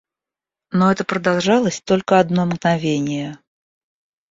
Но это продолжалось только одно мгновение.